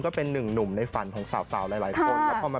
จะอยู่ทั้งเธออย่างดีที่สุด